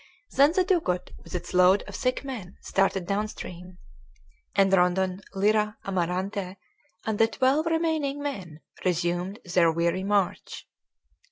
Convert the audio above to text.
Then the dugout with its load of sick men started down stream, and Rondon, Lyra, Amarante, and the twelve remaining men resumed their weary march.